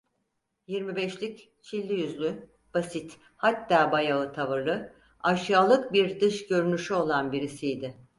Yirmi beşlik, çilli yüzlü, basit, hatta bayağı tavırlı; aşağılık bir dış görünüşü olan birisiydi.